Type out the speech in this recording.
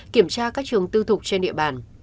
kiểm tra các trường tư thuộc trên địa bàn